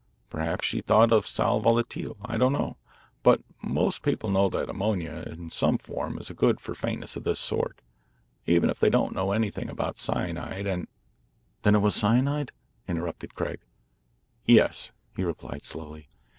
Perhaps she thought of sal volatile, I don't know. But most people know that ammonia in some form is good for faintness of this sort, even if they don't know anything about cyanides and " "Then it was cyanide?" interrupted Craig. "Yes," he replied slowly.